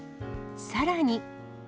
さらに。